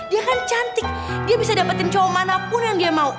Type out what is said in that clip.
dia kan cantik dia bisa dapetin coll manapun yang dia mau